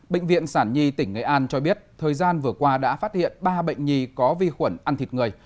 bệnh viện sản nhi tỉnh nghệ an cho biết thời gian vừa qua đã phát hiện ba bệnh nhi có vi khuẩn ăn thịt người